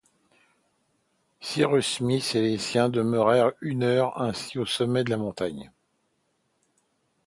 Cyrus Smith et les siens demeurèrent une heure ainsi au sommet de la montagne.